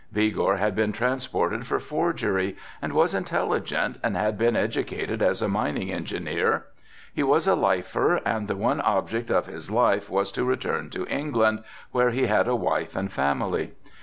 Vigor had been transported for forgery and was intelligent and had been educated as a mining engineer. He was a lifer and the one object of his life was to return to England, where he had a wife and family.